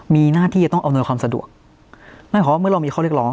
มีหน้าที่จะต้องเอาเนื้อความสะดวกนะฮะเพราะมึงเรามีข้อเรียกร้อง